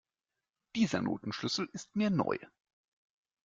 Dieser Notenschlüssel ist mir neu.